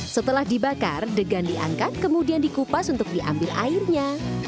setelah dibakar degan diangkat kemudian dikupas untuk diambil airnya